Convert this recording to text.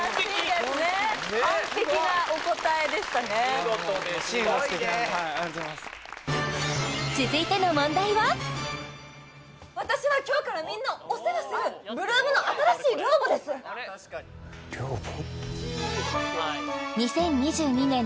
見事でしたすごいねありがとうございます続いての問題は私は今日からみんなをお世話する８ＬＯＯＭの新しい寮母です寮母？